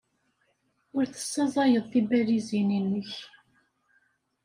Ur tessaẓayeḍ tibalizin-nnek.